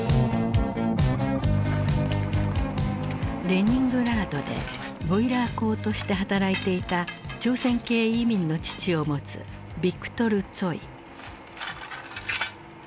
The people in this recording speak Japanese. レニングラードでボイラー工として働いていた朝鮮系移民の父を持つヴィクトル・ツォイ。